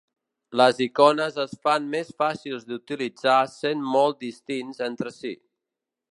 Les icones es fan més fàcils d'utilitzar sent molt distints entre si.